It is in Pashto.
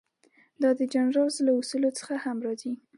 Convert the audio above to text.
دا د جان رالز له اصولو څخه هم راځي.